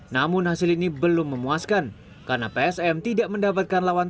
namun di laga perdana psm tidak bisa menang